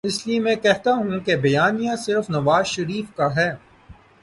اس لیے میں یہ کہتا ہوں کہ بیانیہ صرف نوازشریف کا ہے۔